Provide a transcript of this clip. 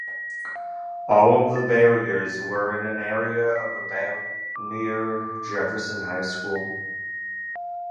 All the barriers were in an area of about near Jefferson High School.